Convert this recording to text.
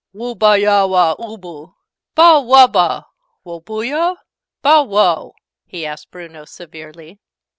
"Woobah yahwah oobooh! Bow wahbah woobooyah? Bow wow?" he asked Bruno, severely.